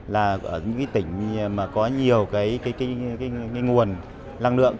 là ở những tỉnh có nhiều nguồn năng lượng